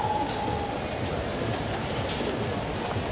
ถือว่าชีวิตที่ผ่านมายังมีความเสียหายแก่ตนและผู้อื่น